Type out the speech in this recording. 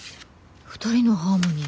「二人のハーモニー」。